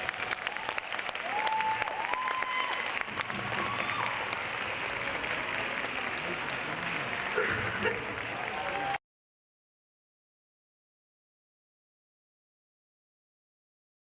ขอบคุณครับ